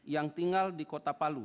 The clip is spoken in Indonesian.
yang tinggal di kota palu